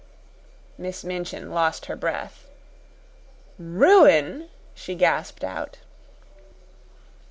Miss Minchin lost her breath. "Ruin!" she gasped out.